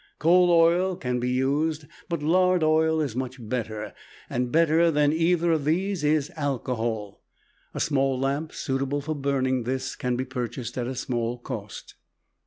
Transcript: Coal oil can be used but lard oil is much better, and better than either of these is alcohol. A small lamp suitable for burning this can be purchased at a small cost.